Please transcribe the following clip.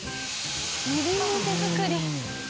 みりんも手作り。